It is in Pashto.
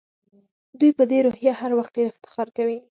دوی په دې روحیه هر وخت ډېر افتخار کوي.